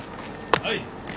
はい。